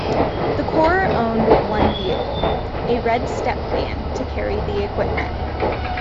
The corps owned one vehicle; a red step van to carry the equipment.